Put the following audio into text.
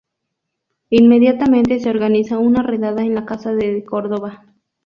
Inmediatamente se organiza una redada en la casa de de Córdoba.